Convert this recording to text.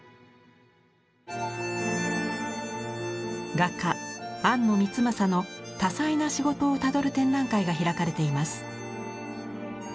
画家安野光雅の多彩な仕事をたどる展覧会が開かれています。